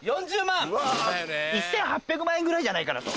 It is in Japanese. １８００万円ぐらいじゃないかなと。